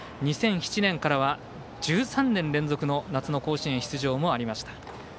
２００７年からは１３年連続の夏の甲子園出場もありました。